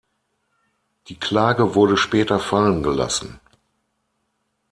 Die Klage wurde später fallengelassen.